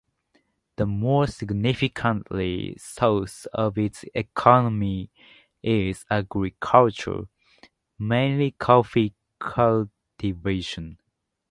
The more significantly source of its economy is agriculture, mainly coffee cultivation.